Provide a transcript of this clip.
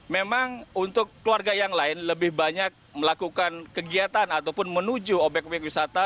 memang untuk keluarga yang lain lebih banyak melakukan kegiatan ataupun menuju obyek obyek wisata